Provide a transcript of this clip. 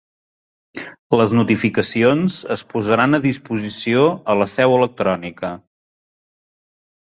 Les notificacions es posaran a disposició a la Seu electrònica.